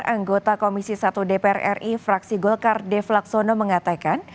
anggota komisi satu dpr ri fraksi golkar dev laksono mengatakan